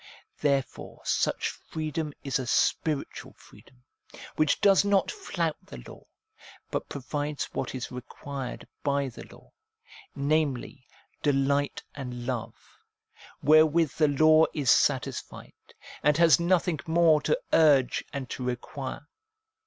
Therefore such freedom is a sphitual freedom, which does not flout the law, but provides what is required by the law, namely, delight and love, wherewith the law is satisfied, and has nothing more to urge and to require.